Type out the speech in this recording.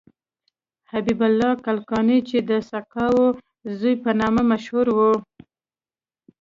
حبیب الله کلکانی چې د سقاو زوی په نامه مشهور و.